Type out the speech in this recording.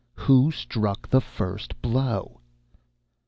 Who struck the first blow?"